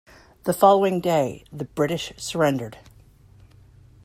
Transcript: The following day, the British surrendered.